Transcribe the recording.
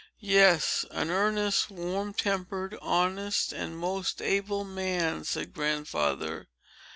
"Yes; an earnest, warm tempered, honest, and most able man," said Grandfather.